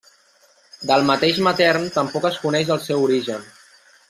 Del mateix Matern tampoc es coneix el seu origen.